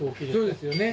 そうですよね。